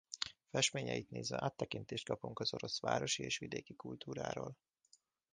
Festményeit nézve áttekintést kapunk az orosz városi és vidéki kultúráról.